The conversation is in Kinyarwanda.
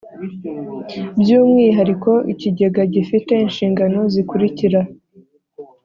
By umwihariko ikigega gifite inshingano zikurikira